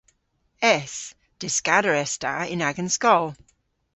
Es. Dyskader es ta yn agan skol.